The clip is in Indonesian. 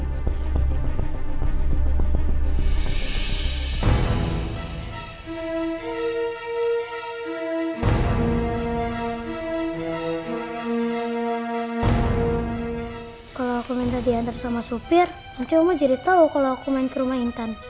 kalau aku minta diantar sama supir nanti kamu jadi tahu kalau aku main ke rumah intan